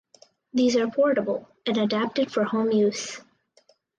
These are portable and adapted for home use.